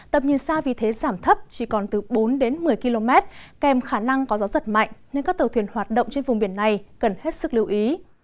tầm nhìn xa vì thế giảm thấp chỉ còn từ bốn đến một mươi km kèm khả năng có gió giật mạnh nên các tàu thuyền hoạt động trên vùng biển này cần hết sức lưu ý